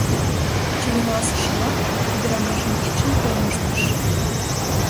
Чеверласышыла, ӱдырамашын кидшым кормыжтыш.